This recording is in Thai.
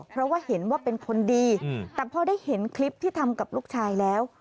เพราะว่าเห็นว่าเป็นคนดีแต่พอได้เห็นคลิปที่ทำกับลูกชายแล้ว